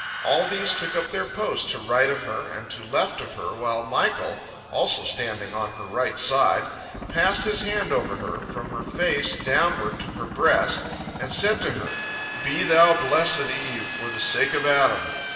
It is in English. All these took up their post to right of her and to left of her, while Michael, also standing on her right side, passed his hand over her, from her face downward to her breast, and said to her, "Be thou blessed, Eve, for the sake of Adam.